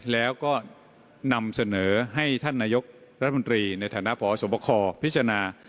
แล้วก็นำเสนอให้ท่านนายกรัฐมนตรีในฐานะพศบคพิจารณา